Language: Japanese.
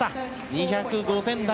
２０５点台。